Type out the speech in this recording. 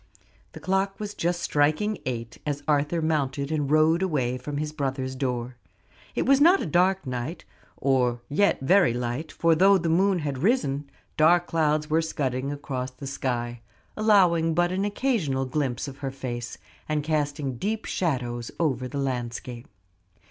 The clock was just striking eight as Arthur mounted and rode away from his brother's door. It was not a dark night, or yet very light; for though the moon had risen, dark clouds were scudding across the sky, allowing but an occasional glimpse of her face, and casting deep shadows over the landscape.